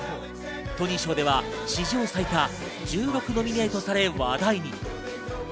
トニー賞では史上最多１６ノミネートされ、話題に。